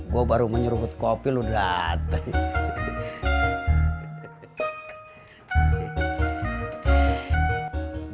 gue baru menyeruput kopi lu udah dateng